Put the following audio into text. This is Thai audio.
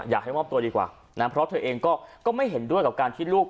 อยากให้มอบตัวดีกว่านะเพราะเธอเองก็ไม่เห็นด้วยกับการที่ลูก